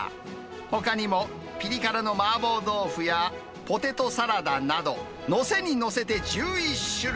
ほかにもピリ辛の麻婆豆腐やポテトサラダなど、載せに載せて１１種類。